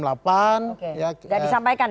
oke tidak disampaikan ya